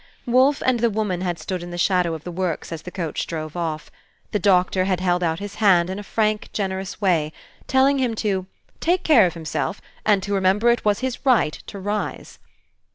Wolfe and the woman had stood in the shadow of the works as the coach drove off. The Doctor had held out his hand in a frank, generous way, telling him to "take care of himself, and to remember it was his right to rise."